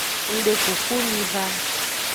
Ngdekuku miva.